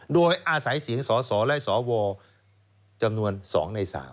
โดยอาศัยเสียงสสและสวจำนวน๒ใน๓